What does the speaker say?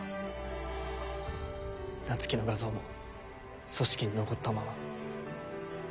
菜月の画像も組織に残ったまま。